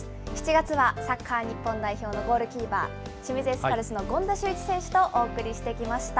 ７月はサッカー日本代表のゴールキーパー、清水エスパルスの権田修一選手とお送りしてきました。